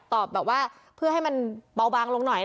ตอบแบบว่าเพื่อให้มันเบาบางลงหน่อย